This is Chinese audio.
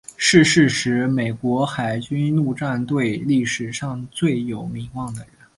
逝世时是美国海军陆战队历史上最有名望的人。